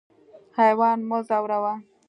حیوان مه ځوروه.